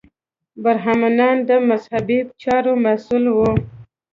برهمنان د مذهبي چارو مسوولین وو.